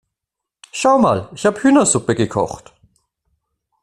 Schau mal, ich habe Hühnersuppe gekocht.